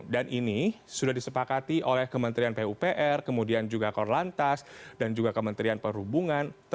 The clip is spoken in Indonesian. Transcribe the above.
dan ini sudah disepakati oleh kementerian pupr kemudian juga korlantas dan juga kementerian perhubungan